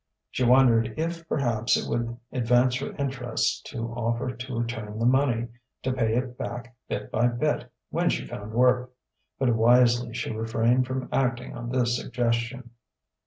She wondered if perhaps it would advance her interests to offer to return the money, to pay it back bit by bit when she found work. But wisely she refrained from acting on this suggestion.